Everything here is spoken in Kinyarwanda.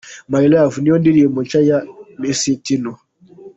My Lover niyo ndirimbo nshya ya Mc Tino.